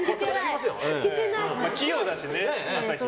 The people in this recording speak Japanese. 器用だしね。